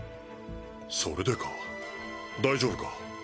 それでか大丈夫か？